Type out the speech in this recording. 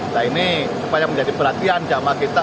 nah ini supaya menjadi perhatian jemaah kita